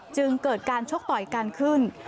จึงเกิดการชกต่อยกันขึ้น